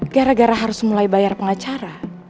gara gara harus mulai bayar pengacara